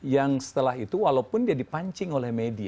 yang setelah itu walaupun dia dipancing oleh orang lain